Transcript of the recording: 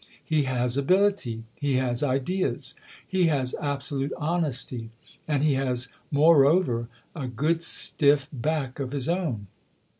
He has ability ; he has ideas ; he has absolute honesty ; and he has more over a good stiff back of his own.